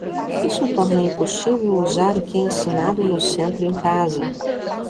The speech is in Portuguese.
Isso torna impossível usar o que é ensinado no centro em casa.